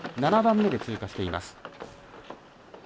７番目で通過しています。